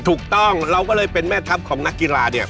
ถูกต้องเราก็เลยเป็นแม่ทัพของนักกีฬาเนี่ย